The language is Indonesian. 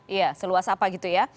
iya seluas apa gitu ya